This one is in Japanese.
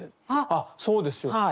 あっそうですよ。